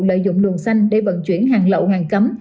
lợi dụng luồng xanh để vận chuyển hàng lậu hàng cấm